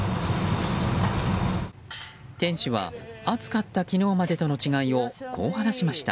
店主は暑かった昨日までとの違いをこう話しました。